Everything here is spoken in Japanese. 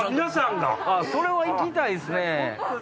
それは行きたいですね。